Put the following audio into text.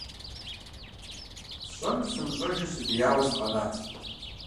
СщӀэнур сымыщӀэжу, сыдияуэ сыкъэнат.